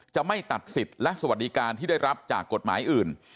จะไม่ตัดสิทธิ์และสวัสดิการที่ได้รับจากกฎหมายอื่น